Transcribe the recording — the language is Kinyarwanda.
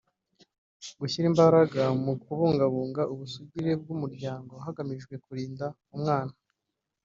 gushyira imbaraga mu kubungabunga ubusugire bw’umuryango hagamijwe kurinda umwana